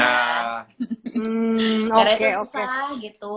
karena itu susah gitu